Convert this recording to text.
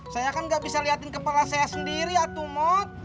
saya kan gak bisa liatin kepala saya sendiri ya tuh mot